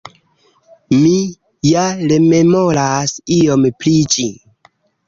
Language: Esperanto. Mi ja rememoras iom pri ĝi.